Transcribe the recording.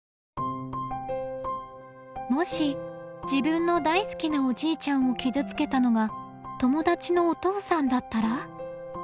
もし自分の大好きなおじいちゃんを傷つけたのが友だちのお父さんだったら？